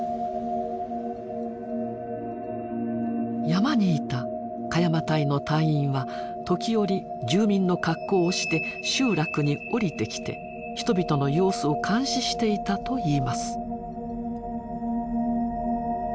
山にいた鹿山隊の隊員は時折住民の格好をして集落に下りてきて人々の様子を監視していたといいます。